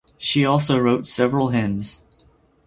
She also wrote several hymns.